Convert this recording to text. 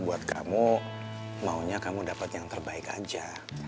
buat kamu maunya kamu dapat yang terbaik aja